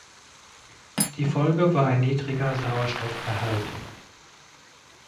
Die Folge war ein niedriger Sauerstoffgehalt.